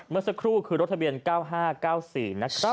เมื่อสักครู่คือรถทะเบียน๙๕๙๔นะครับ